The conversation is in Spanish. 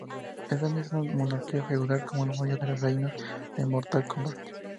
Edenia es una monarquía feudal, como la mayoría de los reinos en Mortal Kombat.